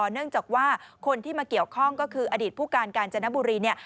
เนื่องจากว่าคนที่มาเกี่ยวข้องก็คืออดีตผู้การกาญจนบุรีเนี่ย